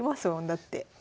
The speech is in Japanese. だって。